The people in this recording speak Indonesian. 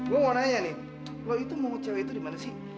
gue mau nanya nih lo itu mau cewe itu di mana sih